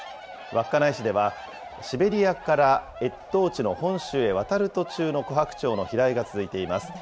稚内市では、シベリアから越冬地の本州へ渡る途中のコハクチョウの飛来が続いています。